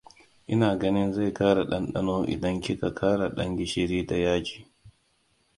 Ina ganin zai ƙara ɗanɗano idan kika ƙara ɗan gishiri da yaji.